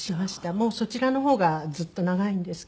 もうそちらの方がずっと長いんですけれども。